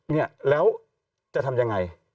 เนี่ยแล้วจะทำยังไง